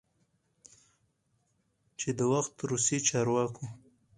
چې د وخت روسی چارواکو،